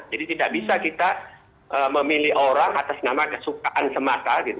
jadi tidak bisa kita memilih orang atas nama kesukaan semata gitu